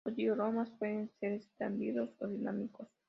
Los dioramas pueden ser estáticos o dinámicos.